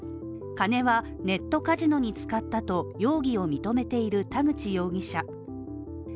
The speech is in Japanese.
金はネットカジノに使ったと容疑を認めている田口容疑者。